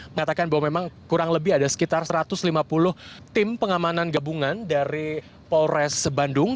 mengatakan bahwa memang kurang lebih ada sekitar satu ratus lima puluh tim pengamanan gabungan dari polres bandung